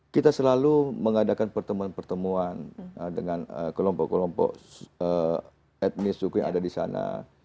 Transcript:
kita selalu mengadakan pertemuan pertemuan dengan kelompok kelompok etnis suku yang ada di sana